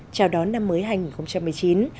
chào đón năm mới hành hai nghìn một mươi chín